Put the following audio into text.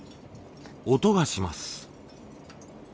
音がします。